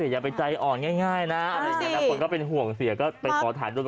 เถียระบายใจอ่อนง่ายนะนะพวกน้ำคนก็ห่วงเสียจะไปขอถ่ายรูป